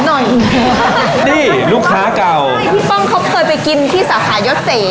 นี่ลูกภาคเก่าพี่ป้องเค้าเคยไปกินที่สาธารณ์ยกฤษ